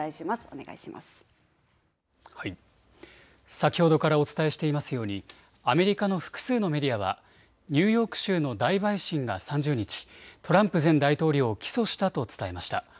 先ほどからお伝えしていますようにアメリカの複数のメディアはニューヨーク州の大陪審が３０日、トランプ前大統領を起訴したと伝えました。